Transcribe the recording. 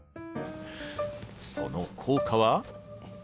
その効果は？